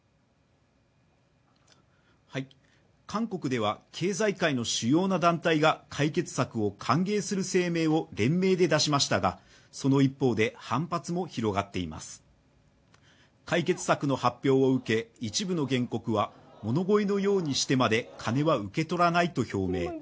韓国では経済界の主要な団体が解決策を歓迎する声明を連名で出しましたがその一方で、反発も広がっています解決策の発表を受け、一部の原告は物乞いのようにしてまで金は受け取らないと表明。